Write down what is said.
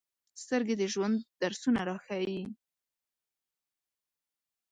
سترګې د ژوند درسونه راښيي